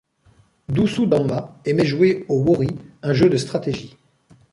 Doussou Damba aimait jouer au wori, un jeu de stratégie.